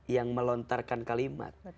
yang melontarkan kalimat